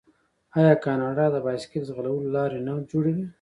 آیا کاناډا د بایسکل ځغلولو لارې نه جوړوي؟